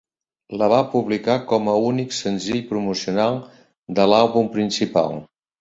La va publicar com a únic senzill promocional de l'àlbum principal.